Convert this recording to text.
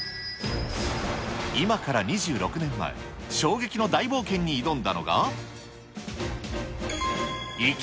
今から２６年前、衝撃の大冒険に挑んだのが。